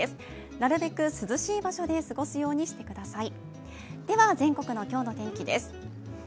なるべく涼しい場所で過ごすようにしてください。